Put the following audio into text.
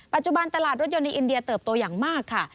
ปัจจุบันตลาดรถยนต์ในอินเดียเติบโตอย่างมากค่ะ